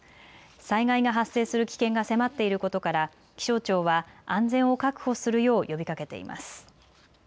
災害が発生する危険が迫っていることから気象庁は安全を確保するよう呼びかけています。